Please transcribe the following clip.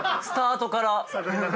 スタートから。